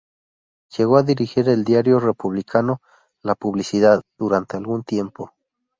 Llegó a dirigir el diario republicano "La Publicidad" durante algún tiempo.